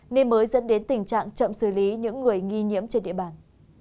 nên mới dẫn đến tình trạng chậm xử lý những người nghi nhiễm trên địa bàn